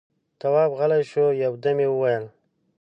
تواب غلی شو، يودم يې وويل: